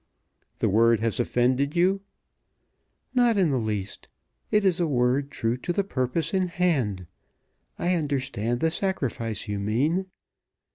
"The word has offended you?" "Not in the least. It is a word true to the purpose in hand. I understand the sacrifice you mean.